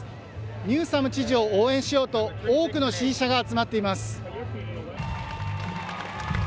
ニューサム知事を応援しようと、多くの支持者が集まっています。